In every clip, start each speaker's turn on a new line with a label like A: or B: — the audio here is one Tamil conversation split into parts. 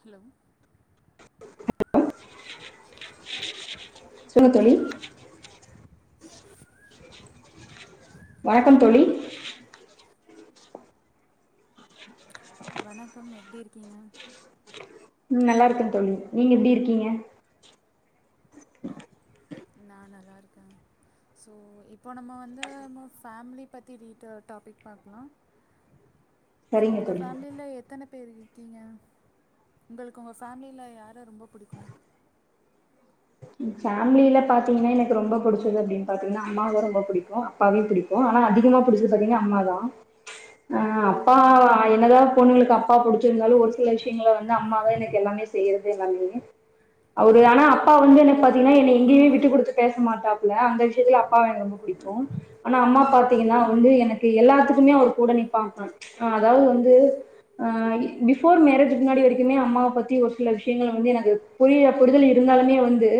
A: ஹலோ
B: சொல்லுங்க தோழி
A: ஹலோ
B: வணக்கம்
A: ஆ
B: தோழி
A: வணக்கம் எப்படி இருக்கீங்க
B: உம் நல்லா இருக்க தோழி நீங்க எப்படி இருக்கீங்க
A: நான் நல்லா இருக்கேன் சோ இப்போ நம்ம வந்து நம் ஃபேமிலி பத்தி ரீடாபிக் பாக்கலாம் சோ
B: சரிங்க
A: உங்க
B: தோழி
A: ஃபேமில எத்தனை பேரு இரு ஓகேங்க உங்களுக்கு உங்கள் ஃபேமிலியில் யார ரொம்ப பிடிக்கு
B: ஃபேமில பாத்தீங்கன்னா எனக்கு ரொம்ப புடிச்சது அப்படின்னு பாத்தீங்கன்னா அம்மாவு ரொம்ப பிடிக்கு அப்பாவே பிடிக்கு ஆனா அதிகமா ப புடிச்சது பாத்தீங்கன்னா அம்மாதான் ஆஹ
A: ம்
B: அப்பா
A: ம்
B: என்னதா பொண்ணுங்களுக்கு அப் அப்பாவ புடிச்சிருந்தாலும் ஒரு சில விஷயங்கள வந்து அம்மாதான் எனக்கு எல்லாமே செய்யறது எல்லாமே அவரு
A: ஓ
B: ஆனா அப்பா வந்து எனக்கு பாத்தீங்கன்னா என்னை எங்கேயுமே விட்டு கொடுத்து பேச மாட்டாப்ல அந்த விஷயத்தில அப்பா எனக்கு ரொம்ப பிடிக்கும் ஆனா அம்மா பாத்தீங்கன்னா வந்து எனக்கு எல்லாத்துக்குமே அவர் கூட நிப்பாங்க்கா அதாவது வந்து ஆஹ பிபோர் மேரேஜ் முன்னாடி வரைக்குமே அம்மாவை பத்தி ஒரு சில விஷயங்கள் வந்து எனக்கு புரிய புரிதல் இருந்தாலுமே வந்து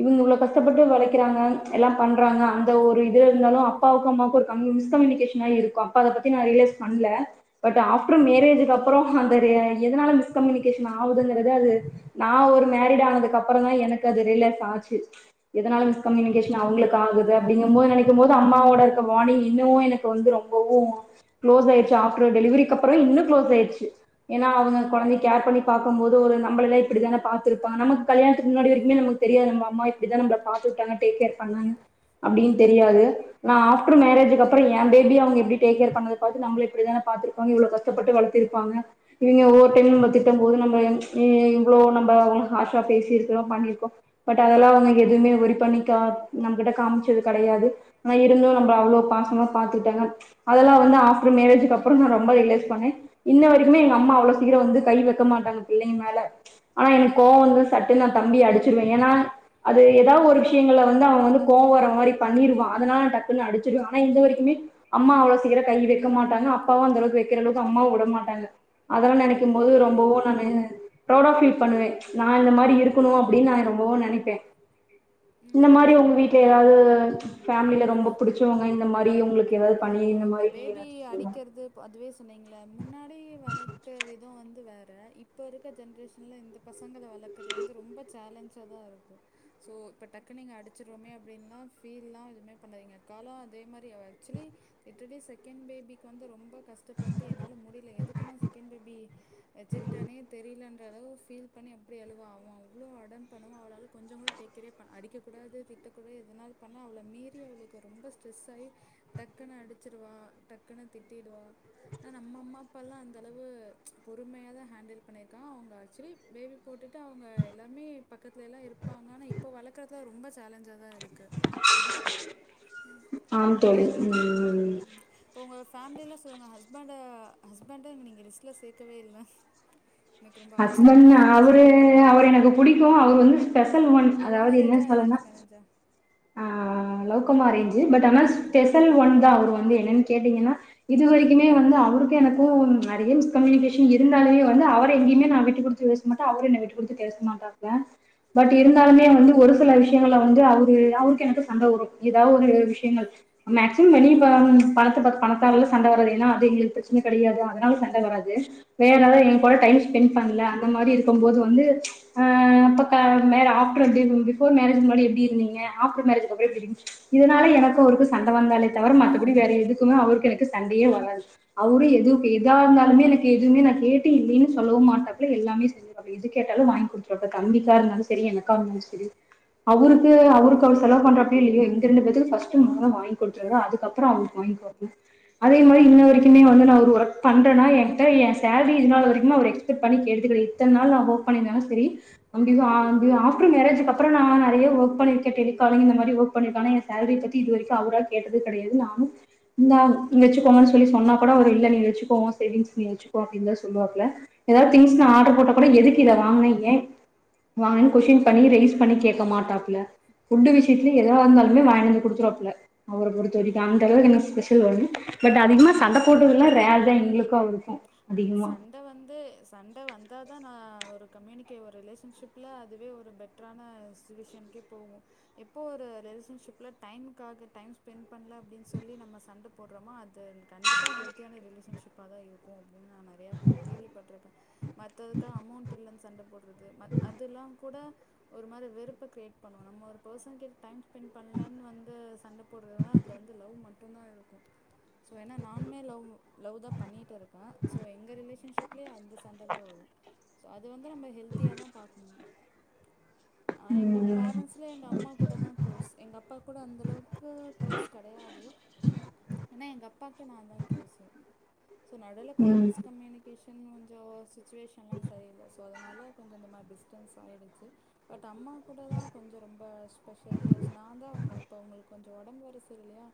B: இவங்க இவ்ளோ கஷ்டப்பட்டு வளக்க கிறாங்க எல்லாம் பண்றாங்க அந்த ஒரு இது இருந்தாலும் அப்பாவுக்கு அம்மாவுக்கு ஒரு கம்யூனிஸ் ஒரு மிஸ் கம்யூனிகேஷன் இருக்கு அப்ப அத பத்தி நான் ரியலைஸ் பண்ல அப்ப ஆப்டர் மேரேஜ்க்கு அப்பறோம் அந்த எதனால மிஸ்கம்யூனிகேஷன் ஆகுதுங்கறது அது நான் ஒரு மேரேஜ் ஆனதுக்கு அப்புறம் தான் எனக்கு அது ரிலஃப் ஆச்சு எதனாலும் கம்யூனிகேஷன் அவங்களுக்கு ஆகுது அப்படிங்க போது க்கும் போது அம்மாவோட இருக்க வாணி்ங் இன்னும் எனக்கு வந்து ரொம்பவும் க்ளோஸ் ஆயிடுச்சு ஆஃப்டர் டெலிவரிக்கு அப்புறம் இன்னும் க்ளோஸ் ஆயிடுச்சு ஏன்னா அவங்க
A: ம்
B: குழந்தைய கேர் பண்ணி பாக்கும்போது ஒரு நம்பல்ல இப்டிதான பாத்திருப்பான். நமக்கு கல்யாணத்துக்கு முன்னாடி வரைக்குமே நமக்கு தெரியா நம்ம அம்மா இப்டிதான நம்ல பாத்துட்டாங்க டேக் கேர் பண்ணாங்க. அப்டினு
A: ம்
B: தெரியாது, ஆனா ஆஃப்டர் மேரேஜ் அதுக்கப்றம் என் பேபி அவங்க எப்டி டேக்கேர் பண்ணதபாத்து நம்ள இப்படிதான பாத்திருப்பாங்க, இவ்ளோ கஷ்டப்பட்டு வளத்திருப்பாங்க, இவிங்க ஒவ்வொரு டைமு நம்ல திட்டம் போது நம்ம இவ்ளோ நம்ம ஹார்ஷா பேசிருக்கோ பண்ணிருக்கோம். பட் அதலா அவங்க எதுமே ஒரி பண்ணிகா நம்கிட்ட காம்ச்சது கிடையாது, ஆனா இருந்தும் நம்ம அவ்ளோ பாசமா பாத்துகிட்டாங்க, அதலா வந்து ஆஃப்டர் மேரேஜுக்கப்பறம் நா ரொம்ப ரியலைஸ் பண்ண. இன்னய வரைக்குமே எங்க அம்மா அவ்ளோ சீக்ரம் வந்து கை வக்க மாட்டாங்க பிள்ளைங்மேல. ஆனா எனக்
A: ஓ
B: கோவ வந்துறு சட்டு நா தம்பிய அடிச்சுருவ ஏனா அது எதா ஒரு விஷயங்கள்ல வந்து அவன் வந்து கோவ வர மாரி பண்ணிருவா, அதனால ந டக்குனு அடிச்சிருவ. ஆனா இது வரைக்குமே அம்மா அவ்ளோ சீக்ரம் கை வக்க மாட்டாங்க, அப்பாவும் அந்த அளவுக்கு வக்கிற அளவுக்கு அம்மாவும் விட மாட்டாங்க. அதெலா நினைக்கும் போது
A: ம்
B: ரொம்பவும் நானு ப்ரௌடா ஃபீல் பண்ணுவ, நா இந்த மாரி இருக்குனு அப்டினு நா. னு நினைப்ப இந்த மாரி உங்க
A: ம் ம்
B: வீட்ல யாராவது பேமிலில ரொம்ப பிடிச்சவங்க இந்த மாரி
A: ம்.
B: உங்ளுக்கு
A: இல்ல இப்போ இந்த பேபி அடிக்றது, ப் அதுவே சொன்னிங் இல முன்னாடி வலத்த விதம் வந்து வேற இப்ப இப்ப இருக்க ஜென்ரேஷன்ல இந்த பசங்கள வளர்க்கறது வந்து ரொம்ப சேலஞ்சாதா இருக்கு. சோ இப்ப டக்குனு இங்க அடிச்ரோமே அப்டின்லா ஃபீல்லா எதுமே பண்ணாதிங்க, காலம் அதே மாரி ஆக்சுலி இட்ரெடி செகண் பேபிக்கு வந்து ரொம்ப கஷ்டப்பட்டு, என்னால முடில, எதுக்குநா செகண் பேபி வச்சுகிட்டனே தெரிலன்றளவு ஃபீல் பண்ணி அப்டி அழுவ அவ அவ்ளோ அடன் பண்ணுவ அவளால கொஞ்ச கூட டேக்கேர்யே பண்ண, அடிக்கக்கூடாது திட்டக்கூடா எதனால் பண்ணா அவள மீறி அவளுக்கு ரொம்ப ஸ்ட்ரெஸ் ஆயி டக்குனு அடிச்சிறுவா, டக்குனு திட்டிடுவா, ஆனா நம்ம அம்மா அப்பாலா இந்தளவு பொறுமையாதா ஹேண்டில் பண்ணிருக்கா. அவங்க ஆக்சுலி பேபி போட்டுட்டு அவங்க எல்லாமே பக்கத்ல எலா இருப்பாங்க, ஆனா இப்போ வளக்குறதுல ரொம்ப சேலஞ்சாதா இருக்கு. இருக்கு. உம்
B: ஆம் தோழி ம்
A: உம் போங்க ஃபேமிலில சொல் உங்க ஹஸ்பண்ட ஹஸ்பண்ட நீங்க லிஸ்ட்ல சேக்கவேல்ல
B: ஹஸ்பண்ட் அவரு அவர எனக்கு புடிக்கு அவரு வந்து ஸ்பெஷல் ஒன்,
A: லவ்
B: அதாவது என்ன
A: மேரேஜா
B: சொலனா
A: அரேஞ்ச் மேரேஜா
B: ஆஹ் லவ் கம் அரேஞ்சு, பட் ஆனா
A: ஓ
B: ஸ்பெஷல் ஒன்தா அவர் வந்து என்னனு கேட்டீங்னா, இது வரைக்குமே
A: ம்
B: வந்து அவருக்கு எனக்கு போம் நெறைய மிஸ்கம்யூனிகேஷன் இருந்தாலயே வந்து அவர எங்கயுமே நா விட்டு குடுத்து மட்டும் அவரு என்ன விட்டு குடுத்து பேச மாட்டார் ஏ பட்
A: ம்
B: இருந்தாலுமே
A: ம்
B: வந்து ஒரு சில விஷ்யங்கல்ல வந்து அவு அவருக்கு எனக்கு சண்ட வரு, எதாவொரு விஷ்யங்கள் மேக்சிமம் வெளிய
A: ம் ம்
B: பணத்த பாத்து பண காலைல சண்ட வராது ஏனா, அது எங்ளுக்கு பிரச்ன கிடையாது, அதனால சண்ட வராது. வேற எதாவது எங்க
A: ம்
B: கூட டைம் ஸ்பெண் பண்ல அந்த மாரி இருக்கும் போது வந்து ஆ அப்ப க மே ஆஃப்டர் பி பிஃபோர் மேரேஜுக்கு முன்னாடி எப்டி இருந்திங் ஆப்டர் மேரேஜ்க்கு அப்பற [unintelligible] இதனால
A: ம்
B: எனக்கு
A: ம்
B: அவருக்கு
A: ம்
B: சண்ட வந்தாலே தவிர ம பிடி வேற எதுக்குமே அவருக்கு எனக்கு சண்டையே வராது அவரு எது எதா இருந்தாலுமே எனக்கு எதுமே ந கேட்டு இல்லீன்னு சொல்லவு மாட்டாப்ல எல்லாமே செஞ்சிடுவாப்ல எது கேட்டாலு வாங்கி குடுத் துடுவாப்ல தம்பிக்கா இருந்தாலும சேரி எனக்கா இருந்தாலும் சேரி அவுருக்கு அவு
A: ம்
B: செலவு பண்ற ஃபீலிங் ரெண்டு பேத்துக்கு ஃபர்ஸ்ட் மோதர வாங்கி குடுத்துருங்க அதுக்கப்புற அவங்ளுக்கு வாங்க்கோ அப்டி அதே மாரி
A: ம்
B: இன்ன வரைக்குமே வந்து நா ஒரு ஒர்க் பண் ட்டனா என்கிட்ட எ சேலரி இது நாள் வரைக்குமே அவரு எக்ஸ்பட் பண்ணி கேட்டது கெடையாது இத்தன்நாளு நா ஓர்க் பண்ணிருந்தாலு சேரி [unintelligible] ஆப்டர் மேரேஜ்க்கு அப்பற அப்பறோ நா நெறைய ஒர்க் பண்ணிருக் டெலிகாலிங் இந்த மாரி ஒர்க் பண்ணிருக்கே ஆனா எ சேலரி பத்தி இது வரைக்கு அவரா கேட்டது கெடையாது நானு இந்த வச்சிக்கோங்கனு சொன்னா கூட அவர் இல்ல நீ வச்சிக்கோ சேவிங்ஸ் நீ வச்சிகோ அப்டின்னுதா சொல்லுவாப்ல ஏதாவ திங்ஸ் ந ஆர்டர் போட்ட கூட எதுக்கு இத ஆமா ஏ வாங்னன் கொஸ்டின் பண்ணி ரெய்ஸ் பண்ணி கேக்க மாட்டாப்ல ஃபுட்டு விஷயத்துலயு எதுவா
A: ம்
B: இருந்தாலுமே வாங்ட்டு வந்து குடுத்துருவாப்ல அவர பொறுத்த வரைக்கு
A: ம்
B: அந்த
A: ம்
B: அளவுக்கு இன்னு ஸ்பெஷல் பட் அதிகமா சண்ட போட்றதுல்லா ரெர் தா எங்ளுக்கு அவங்ளுக்கு
A: சண்ட வந்து சண்ட வந்தாதா நா ஒரு கம்யூனிகே ஒரு ரிலேஷன்ஷிப்ல அதுவே ஒரு பெடட்ரான சிச்சுவேஷன்கே போகு எப்போ ஒரு ரிலேஷன்ஷிப்ல டைம்காக டைம் ஸ்பெண்ட் பண்ல அப்டின் சொல்லி நம்ம சண்ட போடறமோ அது கண்டிப்பா ஹெல்த்தியான ரிலேஷன்ஷிப் அப்போ தான் இருக்கும் நா நெறைய கேள்விப்பட்ருக்க மத்ததுக்கு அமௌண்ட் இல்லன் சொல் சண்ட போடு அதெல்லா கூட ஒரு மாரி வேறுப்ப கிரியேட் பண்ணுவோ நம்ம ஒரு பெர்சன் கிட்ட டைம் ஸ்பெண்ட் பண்ணலனு வந்து சண்ட போடுற அதுல வந்து லவ் மட்டும்தா இருக்கு சோ ஏன்னா நானுமே லவ் லவ் தா பண்ணிட்டு இருக்கே ஸோ எங்க ரிலேஷன்ஷிப்லயே அந்த சண்ட தா வரும் ச அது அது வந்து நம்ம ஹெல்தியா தா பாக்கணு ஆ எங்க
B: ம்
A: பேரண்ட்ஸ்லே எங்க அம்மா கூட தா க்ளோஸ் எங்க அப்பா கூட அந்தளவுக்கு க்ளோஸ் கிடையாது ஆனா எங்க அப்பாக்கு நான் தா குளோஸ்சு சொ நா கொஞ்ச
B: ம்
A: மிஸ் கம்யூனிகேஷன் ம் ஜோஸ் சுச்சுவேஷனெல்லா சரியில்ல்ல சோ னால கொஞ்ச இந்த மாரி டிஸ்டன்ஸ் ஆயிடுச்சு பட் அம்மா கூட தா கொஞ்சோ ரொம்ப ஸ்பெஷல் க்ளோஸ் நா தா அவங்க அப்ப அவங்களுக்கு கொஞ்சோ ஒடம்பு வேற சரியில்லையா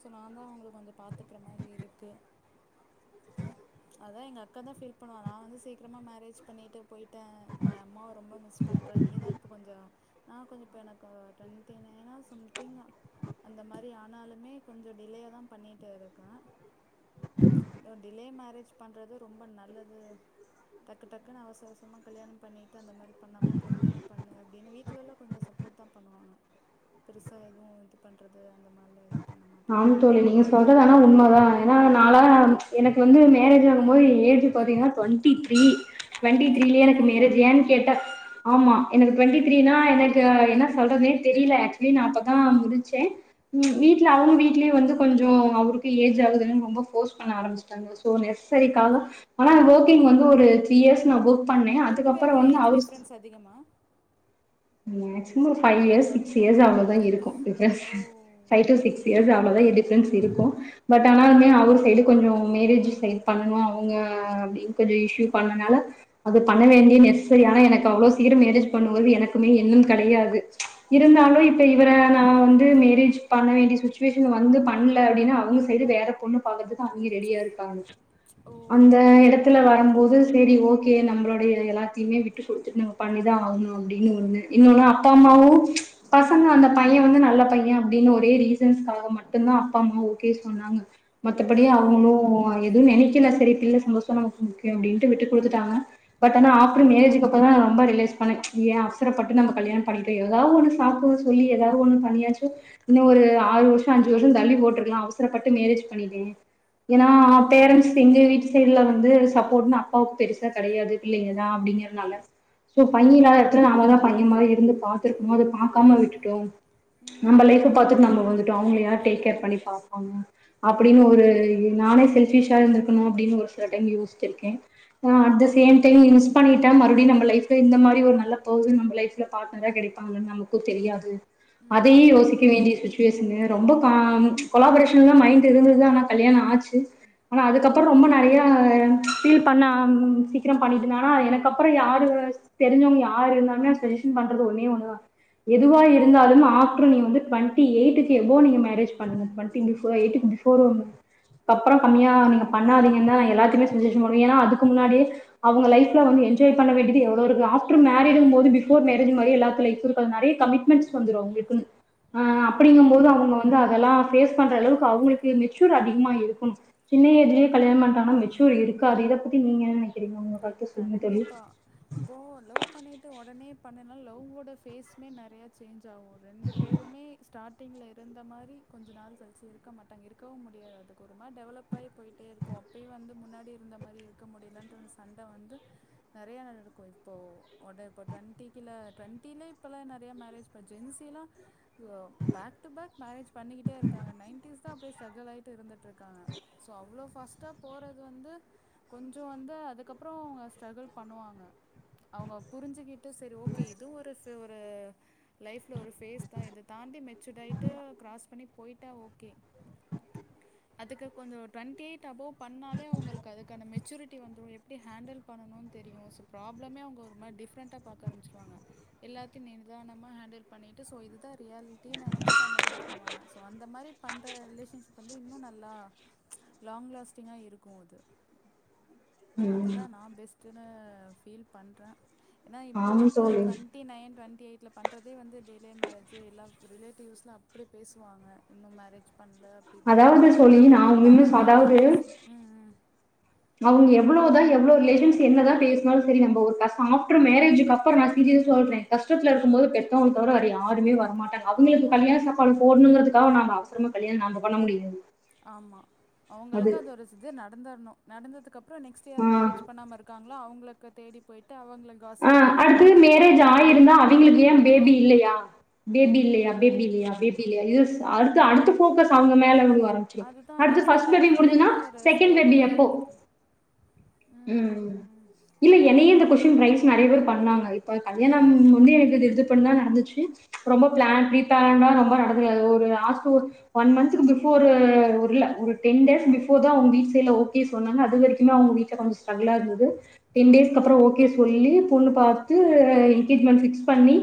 A: சோ நா தா அவங்களுக்கு கொஞ்சோ பாத்துக்கற மாரி இருக்கு அதா எங்க அக்கா தா ஃபீல் பண்ணுவா நா வந்து சீக்கிரமா மேரேஜ் பண்ணிட்டு போயிட்டே நா அம்மாவை ரொம்ப மிஸ் பண்றே நீ தா இப்போ கொஞ்சோ நா கொஞ்சோ இப்போ எனக்கு டுவெண்ட்டிநைனே சம்திங் அந்த மாரி ஆனாலுமே கொஞ்சோ டிலேய தா பண்ணிகிட்டே தா இருக்கே டிலே மேரேஜ் பண்ணுறது ரொம்ப நல்லது டக்கு டக்குன்னு அவசவசமாக கல்யாண பண்ணிவிட்டு அந்த மாரி பண்ணாமல் பொறுமையா பண்ணு அப்டின்னு வீட்டுல வீட்டிலலா கொஞ்சோ சப்போர்ட் தா பண்ணுவாங்க பெருசாக எதுவும் இது பண்ணுறது அந்த மாதிரி
B: ஆன் தோழி நீங்க சொல்றது ஆனா உண்மைதான் ஏன்னா நாள எனக்கு வந்து மேரேஜ் ஆகும் போது ஏஜ் பாத்தீங்கன்னா டுவெண்ட்டி த்ரீ டுவெண்டி த்ரீலயே
A: டுவெண்ட்டி
B: எனக்கு
A: த்ரீயா
B: மேரஜேன்னனு கேட்டன் ஆமா எனக்கு ட்வெண்ட்டி த்ரீனா
A: அய்யய்யோ
B: எனக்கு என்ன சொல்றதுனே தெரியல ஆக்சுவலி நா அப்பதான்
A: ஆ
B: முறிச்சே ம் வீடல அவங்க வீட்லயே வந்து கொஞ்சோ அவருக்கு ஏஜ் ஆகுதுன்னு ரொம்ப ஃபோர்ஸ் பண்ண ஆரம்பிச்சட்டாங்க சோ நெசசரிக்காகவும் ஆனா ஒர்க்கிங் வந்து ஒரு த்ரீ இயர்ஸ் நான் ஒர்க் பண்ணே
A: ரெண்டு
B: அதுக்கப்புறோ
A: பேருக்கு
B: வந்து
A: ஏஜ்
B: அவரு
A: டிஃப்ரென்ஸ் அதிகமா
B: மேக்சிமம் ஒரு ஃபைவ் இயர் சிக் இயர்ஸ் அவளதா இருக்கு டிப்ரன்ஸ்
A: ஓ
B: பைவ் டு
A: ம்
B: சிக்ஸ்யிர்ஸ் அவ்வளோ தா டிபரன்ஸ் இருக்கு பட் ஆனாலுமே அவர் சைடு கொஞ்சு மேரேஜ் சைடு பண்ணணு அவங்க அப்படிகொஞ்சு இஸ்யூ பண்ணனால அது
A: ம்
B: பண்ண வேண்டிய நெஸ்ஸசரி ஆனா எனக்கு அவ்வளோ சீக்ரோ மேரேஜ் பண்ணும்போது எனக்கு மே என்னம் கிடையாது இருந்தாலு
A: ம்
B: இப்போ இவரை நா வந்து மேரேஜ் பண்ண வேண்டிய சுச்சுவேஷன்ல வந்து பண்ணல அப்படின்னா அவங்க சைடு வேற பொண்ணு பாக்குரதுக்கு அவங்க ரெடியா இருக்காங்க
A: ஓ
B: அந்த இடத்துல வர போது சேரி ஓக்கே நம்மளுடைய எல்லாத்தையுமே விட்டு கொடுத்துட்டு நம்ம பண்ணிதா ஆகணு அப்பிடினு இன்னொண்ணு இன்னொன்னு அப்பா அம்மாவும்
A: ம்
B: பசங்க அந்த பையன் வந்து நல்ல பையன் அப்படின்னு ஒரு பே ரீசன்ஸ்க்காக மட்டுதா அப்பா அம்மா ஓக்கே சொன்னாங்க மத்தபடி
A: ம்
B: அவங்களு எதுவு நெனைக்கல செரி பிள்ள சந்தோசம இருக்கர முக்கியம் அப்படின்ட்டு விட்டு கொடுத்துட்டாங்க பட் ஆனா
A: ம் ம்
B: ஆப்டர் மேரேஜ்க்கு அப்புறோ தா ரொம்போ ரியலைஸ் [unintelligible] ஏ அவசரப்பட்டு நம்ம கல்யாணம் பண்ணிட்டோ ஏதாவ ஒண்ணு சாக்குன்னு சொல்லி ஏதாவது ஒண்ணு பண்ணியாச்சோ இன்னு ஒரு ஆறு வருஷோ அஞ்சு வருஷோ தள்ளி போட்டுருக்கலா அவசரப்பட்டு மேரேஜ் பண்ணிட்டேனே ஏன்னா
A: ம்
B: பேரன்ட்ஸ் எங்கு வீட்டு சைல வந்து சப்போட்ன்னு அப்பாவுக்கு பெருசா கெடையாது பிள்ளைங்கதா அப்படிங்கறதுனால சோ பையனால நம்ம தா பைய மாதிரி இருந்து பாத்துருக்கணு அத பாக்காம விட்டுட்டோ
A: ம்
B: நம்ம
A: ம்
B: லைஃப்ப பாத்துட்டு நம்ம வந்து அவங்கலையாரு டேக் கேர் பண்ணி பாப்பாங்க அப்படின்னு ஒரு நானே செல்பிஷா இருந்திருக்கணோ அப்பிடினு ஒரு சில டைம் யோசித்து இருக்கே நா அட்த சேம் டைம் மிஸ் பண்ணிட்டா மறுபடியு நம்ம லைஃப் இந்த மாரி ஒரு நல்லா எப்போது நம்ம லைப்ல பாட்னரா கெடைப்பாங்கன்னு நமக்கும் தெரியாது அதையு
A: ம்
B: யோசிக்க வேண்டி சுச் பேசுங்க ரொம்ப கா கொலாபே ரேஷன்ல்லா மைண்ட் இருந்தது ஆனா கல்யாணோ ஆச்சு ஆனா அதுக்கப்புறோ ரொம்ப நறையா ஃபீல் பண்ண சீக்கிர பண்ணிட்டுனால எனக்கப்புறோ யார்ரு தெரிஞ்சவங்க யா ஆறு இருந்தாலுமே அவுரு சஜ்ஜஷன் பண்றது ஒன்னே ஒன்னு தா எதுவா
A: ம்
B: இருந்தாலும் ஆப் றோ நீ வந்து டுவெண்டி எயிட்டுக்கு எபோ நீங்க மேரேஜ் பண்ணுங்க வந் [unintelligible]
A: ஆமா
B: எயிட்டுக்கு பிப்ஃபேர் வந்து அப்புறோ கம்மியாமா நீங்க பண்ணாதீங்கன்னா எல்லாத்தையுமே சஜஷன் ஏன்னா அதுக்கு முன்னாடியே அவங்க லைப்ல வந்து என்ஜாய் பண்ண வேண்டியது எவ்வளோ இருக்கு ஆப் [unintelligible] மேரேஜ்ங்கு போது பிபோர் மேரேஜ் மாரி எல்லாத்து லைஃப் இருக்காது மாரி கமிட்மெண்ட்ஸ் வந்துரும் அவ்ங்களுக்குன் ஆஹ்
A: ம்
B: அப்டிங்கும்
A: ம்
B: போது அவ்ங்க வந்து அதெல்லாம் பேஸ் பண்ற அளவுக்கு அவ்ங்களுக்கு மெச்சூர் அதிகமா இருக்கும் சின்ன எயிஜ்லயே கல்யாணம் பண்றாங்கனா மெச்சூர் இருக்காது இத பத்தி நீங்க என்ன நெனைக்கிறீங்க கரெட்ட சொன்னிங்க தோழி
A: கண்டிப்பா இப்போ லவ் பண்ணிட்டு உடனே பண்ணனா லவ்வோட ஃபேஸ்மே நறைய சேஞ்ச் ஆவும் ரெண்டு பேருமே ஸ்டார்ட் டிங்குல இருந்த மாரி கொஞ்ச நாள் கழிச்சு இருக்க மாட்டாங்க இருக்கவு முடியாது அதுக்கு ஒருமா டெவலப் ஆகி போய்ட்டே இருக்கு அப்பயு வந்து முன்னாடி இருந்த மாரி இருக்க முடியலண்ற [inaudible] சண் ட வந்து நறைய இருக்கும் இப்போ உட இப்ப டுவெண்டிக்கிழ டுவெண்டில இப்பெல்லா நறைய மேரேஜ் இப்ப ஜென்சியிலா [unintelligible] பேக் டு பேக் மேரேஜ் பண்ணிக்கிட்டே இருக்காங்க நைன்டீஸ் [unintelligible] அப்டியே ஸ்டகிலாகிட்டு இருந்துட்டு இருக்காங்க சோ அவ்ளோ ஃபாஸ்ட் போறது வந்து கொஞ்சம் வந்து அதுக்கப் புறோ அவ்ங்க ஸ்ட்ரகுள் பண்ணுவாங்க அவ்ங்க புரிஞ்சுக்கிட்டு செரி ஓகே இதுவும் ஒரு ஒரு லைஃப்பில ஒரு ஃபேஸ் தா இத தாண்டி மெச்சூர்ட் ஆகிட்டு கிராஸ் பண்ணி போய்ட்டா ஓகே அதுக்கு கொஞ்சம் டுவெண்ட்டி எயிட் அபௌவ் பண்ணாலே அவ்ங்களுக்கு அதுக்கான மெ சூரிட்டி வந்துடும் எப் டி ஹேண்டில் பண்ணணும்னு தெரியும் ஸோ ப்ராப்ளமே அவ்ங்க ஒருமாரி டிஃப்ரெண்ட்டா பாக்க ஆரம்பிச்சுடுவாங்க எல்லாத்தையு நிதானமா ஹேண்டில் பண்ணிட்டு ஸோ இதுதா ரியாலிட் டி நெனைச்சிட்டு அந்தமாரி பண்ணுவாங்க சோ அந்த மாரி பண்ணற ரிலேஷன்ஷிப் வந்து இன்னும் நல்லா லாங் லாஸ்ட்டிங்கா இருக்கு அது
B: ம்
A: அதுதா நா பெஸ்ட்டுன்னு பீல் பண்றே ஏன்னா இப்போ
B: ஆமா
A: வந்து
B: தோழி
A: டுவண்டி நைன் டுவண் டி எயிட்டுல பண்றதே வந்து டிலே மேரேஜ் எல்ல ரிலேட்டிவ்ஸ்லா அப்டி பேசுவாங்க இன்னும் மேரேஜ் பண்ணல அப்டி இப்டின்னு
B: அதாவது தோழி
A: நம்ம
B: நான் இன்னும்
A: மத்தவங்களுக்காக பேசுணு உம் உம்
B: அவ்ங்க எவ்ளோதா எவ்ளோ ரிலேஷன்ஸ் என்னதா பேசாலும் சரி நம்ப ஒரு கஷ்ட ஆஃப்டர் மேரேஜிக்கு அப்றம் நா சீரிய சொல்றே கஷ்டத்துல இருக்கும் போது பெத்தவங் தவற யாருமே வர் மாட்டாங்க அவ்ங்களுக்கு
A: ஆமாம்
B: கல்யாண சாப்பாடு போடணுங்கிறதுக் காவ நம்ம அவசரமா கல்யண நம்ப பண்ண முடியாது
A: ஆமா அவ்ங்களுக்கு அது ஒரு சிது நடந்துர்ணு நடந்ததுக்கு அப் றோ நெக்ஸ்டுயர்
B: ஆஹ்
A: மேரேஜ் பண்ணாம இருக்காங்ளோ அவ்ங்களுக்கு தேடி போய்ட்
B: ஆஹ் அடுத்தது மேரேஜ்
A: பண்ணிட்டு
B: ஆயிருந்தா அவ்ங்களுக்கு
A: போயிடுவாங்க
B: ஏன் பேபி இல்லையா பேபி இல்லையா
A: ம்
B: பேபி இல்லையா பேபி இல்லையா இது அடுத்து அடுத்த போக்கஸ் அவ்ங்க மேல விழுவு ஆரம்பச்சிடும்
A: அதுதான்
B: அடுத்து
A: நெக்ஸ்ட்டு
B: ஃபஸ்ட் பேபி
A: லைஃப்பில்
B: முடிஞ்சதுனா
A: என்ன ஒரு
B: செகண்ட் பேபி
A: ஸ்டேபிளாக
B: எப்போ
A: இருந்துட்டு
B: உம் ம் இல்ல என்னயே இந்த கொஸ்டின் ரைஸ் நறைய பேர் பண்ணாங்க இப்ப கல்யாணம் வந்து எனக்கு இது இது பண்ண நடந்துச்சு ரொம்ப பிளான்
A: ம்
B: ரீபிளான்டா ரொம்ப நடந் ஒரு ஒரு [unintelligible] ஒன் மந்தக்கு பிபோரு இல்ல இல்ல ஒரு டென் டேஸ் பிபோர் தா அவ்ங் வீட் தெரியும் ஓகே சொன்னாங்க அது வரைக்குமே அவ்ங்க வீட் டுல கொஞ்சோ ஸ்ட்ரகுளா இருந்துது டென்
A: ஓ
B: டேஸ்கு அப்றம் ஓகே சொல்லி பாத்து எங்கேஜ்மெண்ட் பிக்ஸ் பண்ணி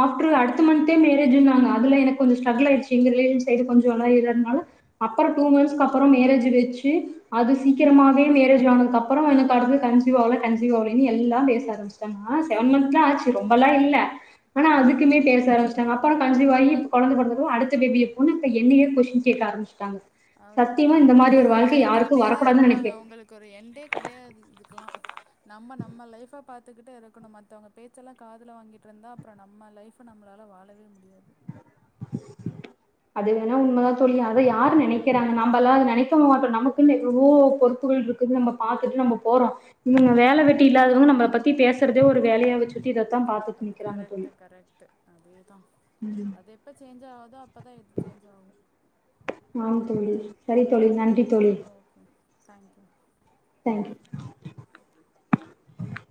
B: ஆப்டர் அடுத்த
A: ம்
B: மந்தே மேரேஜ்ன்னாங்க அதுல எனக்கொஞ்சு ஸ்ட்ரகுல் ஆயிடுச்சு எங்க ரிலேஷன் சைடுல கொஞ்சு [unintelligible] அப்புறோ டூ
A: ம்
B: மன்ஸ் அப்புறோ மேரேஜ் வெச் சி அது
A: ம்
B: சீக்கிரமாவே மேரேஜ் ஆனதுக்கப்புறோ அப்புறோ எனக்கு அடுது கன்சிவ்வாகல கன்சிவாகலன்னு எல்லா பேச ஆரம்பச்சட்டாங்க ஆனா செவன் மந்த்தா ஆச்சு ரொம்பல்லாம் இல்ல ஆனா
A: ம்
B: அதுக்குமே பேச வேனா ங்க அப்போறோ கன்சிவ் ஆகி இப்ப கொழந்த பொறந்தது அடுத்த பேபி எப்போனு என்னேயே கொஸ்டின் கேக்க ஆரம்பிச்சட்டாங்க
A: அது உங்களுக்கு போகப்போ கேட்டுக்கிட்டே தா
B: வரக்கூடாதுன்னு
A: இருப்பாங்க
B: நெனைப்பேன்
A: உங்களுக்கு ஒரு எண்டே கெடையாது இதுக்கெல்லா நம்ம நம்ம லைப்ப பாத்துக்கிட்டு இருக்கணு மத்தவங்க பேச்செல்லா காதுல வாங்கிட்டு இருந்தா அப்புறோ நம்ம லைப்ப நம்மளால வாழவே முடியாது
B: அது வேணா உண்மைதா தோழி அதை யாரு நெனைக்கிறாங்க நம்பெல்லா அதது நெனைக்க மாட்டோ நமக்குன்னு எவ்வளோ பொறுப்புகள் இருக்குது நம்ம பாத்துட்டு நம்ம போறோ உம் வேல
A: ம்
B: வெட்டி இல்லாதவங்க நம்மல பத்தி த்தி பேசறதே ஒரு வேலையா வெச்சிட்டு
A: அது கரெக்ட்டு கரெக்ட்டு அதுதா அது எப்போ சேஞ்ச்சு ஆவுதோ அப்பதா எக்ஸ் சேஞ்ச் ஆகு
B: ஆம் தோழி சரி தோழி நன்றி தோழி
A: தேங்க் யூ
B: தேங்க்யூ